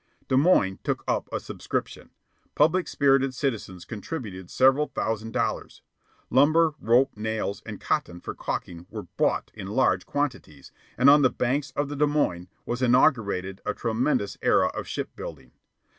Des Moines took up a subscription. Public spirited citizens contributed several thousand dollars. Lumber, rope, nails, and cotton for calking were bought in large quantities, and on the banks of the Des Moines was inaugurated a tremendous era of shipbuilding.